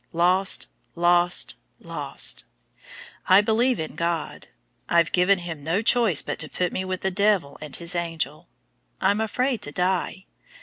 Lost! Lost! Lost! I believe in God. I've given Him no choice but to put me with 'the devil and his angel.' I'm afraid to die.